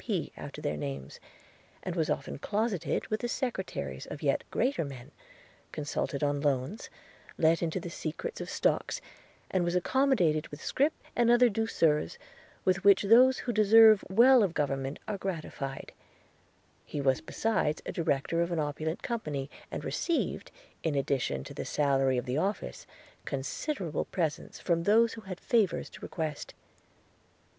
P. after their names; and was often closeted with the secretaries of yet greater men, consulted on loans, let into the secret of stocks, and was accommodated with scrip and other douceurs with which those who deserve well of government are gratified; he was besides a director of an opulent company, and received, in addition to the salary of the office, considerable presents from those who had favours to request.